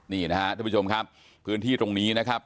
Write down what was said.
นี่นะครับท่านผู้ชมครับพื้นที่ตรงนี้นะครับ